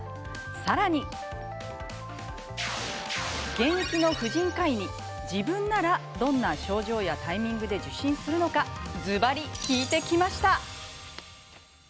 さらに現役の婦人科医に自分なら、どんな症状やタイミングで受診するのかずばり聞いてきました。